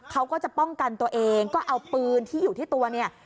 เขาก็จะป้องกันตัวเองก็เอาปืนที่อยู่ที่ตัวเนี่ย